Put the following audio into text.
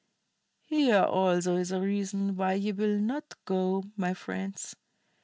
"Here, also, is a reason why ye will not go, my friends.